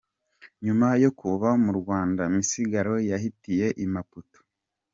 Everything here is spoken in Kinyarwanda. Nyuma yo kuva mu Rwanda Misigaro yahitiye i Maputo.